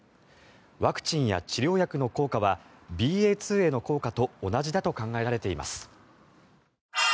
ワクチンや治療薬の効果はＢＡ．２への効果と同じだと考えられています。